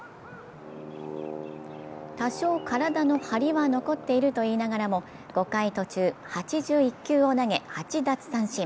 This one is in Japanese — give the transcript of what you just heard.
多少、体の張りは残っているといいながらも、５回途中８１球を投げ、８奪三振。